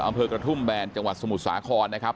อำเภอกระทุ่มแบนจังหวัดสมุทรสาครนะครับ